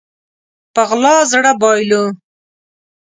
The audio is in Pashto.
په غلا زړه بايلو